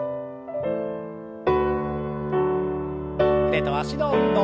腕と脚の運動。